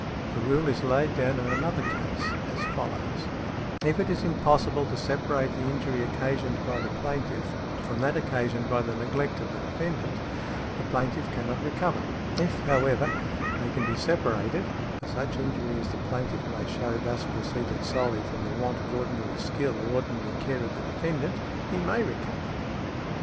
The rule is laid down in another case as follows: If it be impossible to separate the injury occasioned by the plaintiff from that occasioned by the neglect of the defendant, the plaintiff cannot recover; if, however, they can be separated, for such injury as the plaintiff may show thus preceded solely from the want of ordinary skill or ordinary care of the defendant, he may recover .